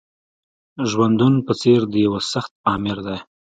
ژوندون په څېر د یوه سخت آمر دی